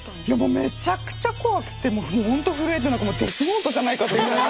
めちゃくちゃ怖くてもうほんと震えてなんかもうデスノートじゃないかっていうぐらい。